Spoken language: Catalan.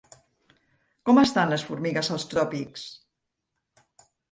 Com estan les formigues als tròpics?